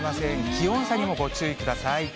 気温差にもご注意ください。